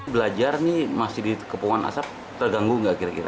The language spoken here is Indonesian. belajar nih masih di kepungan asap terganggu nggak kira kira